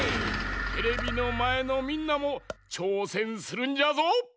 テレビのまえのみんなもちょうせんするんじゃぞ！